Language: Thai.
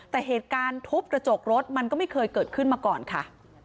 แต่เหตุการณ์ทุบกระจกรถมันก็ไม่เคยเกิดขึ้นมาก่อนค่ะ